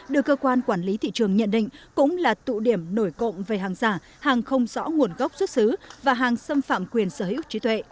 được cơ quan quản lý thị trường nhận định cũng là tụ điểm nổi cộng về hàng giả hàng không rõ nguồn gốc xuất xứ và hàng xâm phạm quyền sở hữu trí tuệ